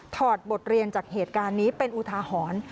อดบทเรียนจากเหตุการณ์นี้เป็นอุทาหรณ์